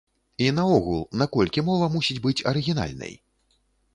І наогул, наколькі мова мусіць быць арыгінальнай?